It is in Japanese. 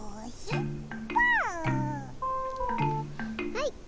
はい。